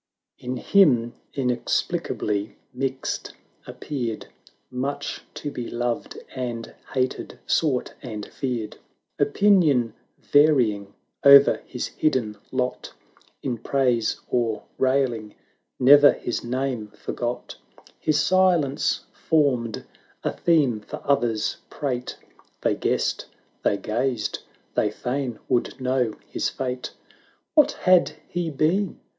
XVII. In him, inexplicably mixed, appeared Much to be loved and hated, sought and feared; 290 Opinion varying o'er his hidden lot, In praise or railing ne'er his name for got: His silence formed a theme for others' prate — They guessed — they gazed — they fain would know his fate. Canto i.] LARA 395 What had he been?